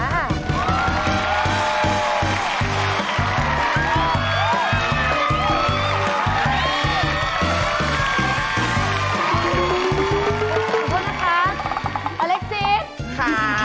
หนดเพชร